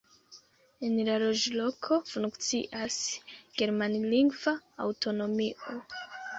En la loĝloko funkcias germanlingva aŭtonomio.